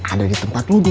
ada di tempat lu du